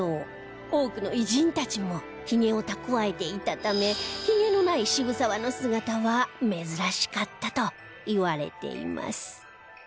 多くの偉人たちもヒゲを蓄えていたためヒゲのない渋沢の姿は珍しかったといわれています